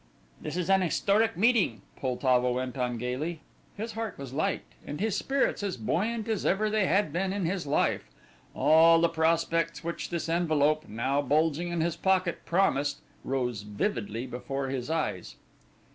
"This is an historic meeting," Poltavo went on gaily. His heart was light and his spirits as buoyant as ever they had been in his life. All the prospects which this envelope, now bulging in his pocket, promised, rose vividly before his eyes.